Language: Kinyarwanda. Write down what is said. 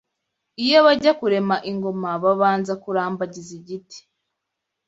Iyo bajya kurema ingoma babanza kurambagiza igiti